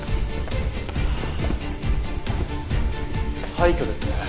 廃虚ですね。